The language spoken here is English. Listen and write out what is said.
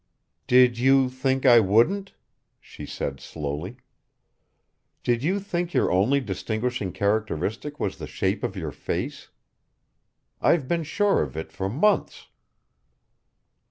"Did you think I wouldn't?" she said slowly. "Did you think your only distinguishing characteristic was the shape of your face? I've been sure of it for months."